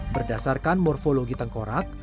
berdasarkan morfologi tengkorak